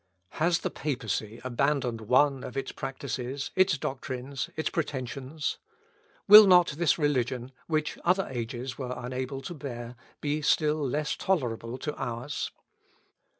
Has the papacy abandoned one of its practices, its doctrines, its pretensions? Will not this religion, which other ages were unable to bear, be still less tolerable to ours?